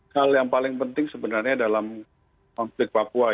hal yang paling penting sebenarnya dalam konflik papua